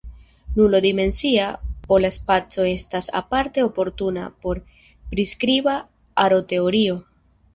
Nulo-dimensia pola spaco estas aparte oportuna por priskriba aroteorio.